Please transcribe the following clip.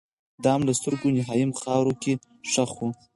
دام له سترګو وو نیهام خاورو کي ښخ وو